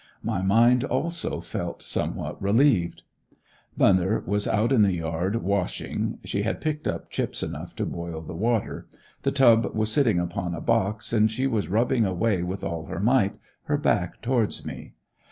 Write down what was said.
My mind also, felt somewhat relieved. Mother was out in the yard washing, she had picked up chips enough to boil the water; the tub was sitting upon a box and she was rubbing away with all her might, her back towards me.